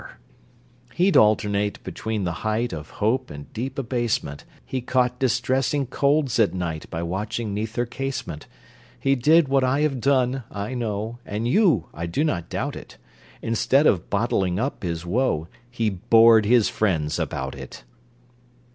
He'd alternate between the height Of hope and deep abasement, He caught distressing colds at night, By watching 'neath her casement: He did what I have done, I know, And you, I do not doubt it, Instead of bottling up his woe, He bored his friends about it!